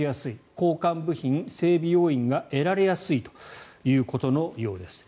交換部品、整備要員が得られやすいということのようです。